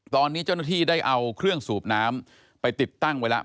ตอนนี้เจ้าหน้าที่ได้เอาเครื่องสูบน้ำไปติดตั้งไว้แล้ว